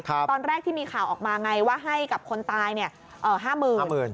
ตอนแรกที่มีข่าวออกมาไงว่าให้กับคนตาย๕๐๐๐บาท